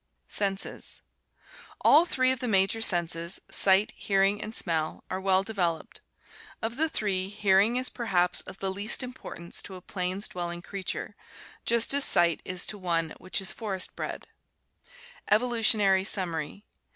Senses. — All three of the major senses, sight, hearing, and smell, are well developed; of the three, hearing is perhaps of the least importance to a plains dwelling creature, just as sight is to one which is forest bred. 610 ORGANIC EVOLUTION Evolutionary Summary.